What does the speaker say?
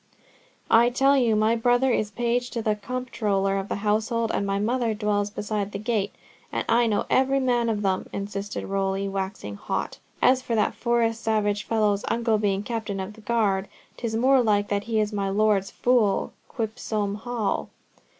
"I tell you my brother is page to the comptroller of the household, and my mother dwells beside the Gate House, and I know every man of them," insisted Rowley, waxing hot. "As for that Forest savage fellow's uncle being captain of the guard, 'tis more like that he is my lord's fool, Quipsome Hal!"